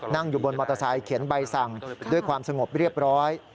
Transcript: นั่งอยู่บนมอเตอร์ไซค์เขียนใบสั่งด้วยความสงบเรียบร้อย